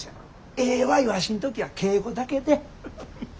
ええわいワシん時は敬語だけで。